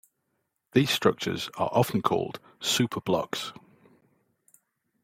These structures are often called 'superblocks'.